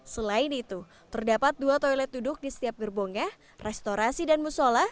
selain itu terdapat dua toilet duduk di setiap gerbongnya restorasi dan musola